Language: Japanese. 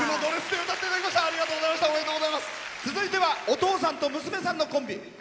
続いてはお父さんと娘さんのコンビ。